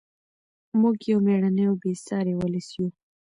موږ یو مېړنی او بې ساري ولس یو.